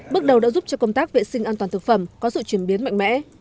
bước đầu đã giúp cho công tác vệ sinh an toàn thực phẩm có sự chuyển biến mạnh mẽ